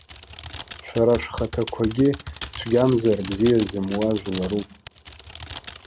Шәара шәхаҭақәагьы цәгьамзар бзиа зымуа жәларуп!